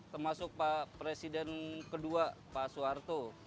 termasuk presiden kedua pak suharto